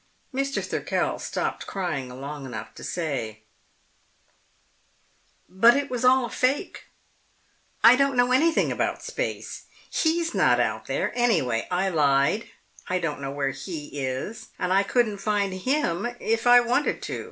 Mr. Thirkell stopped crying long enough to say, "But it was all a fake. I don't know anything about space. He's not out there, anyway. I lied. I don't know where He is, and I couldn't find Him if I wanted to.